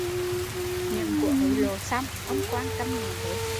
Nhận của hối lộ xong, ông quan câm miệng hến